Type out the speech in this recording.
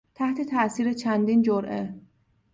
تحت تاثیر چندین جرعه